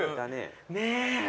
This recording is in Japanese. ねえ！